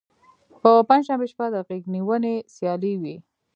په پنجشنبې شپه د غیږ نیونې سیالۍ وي.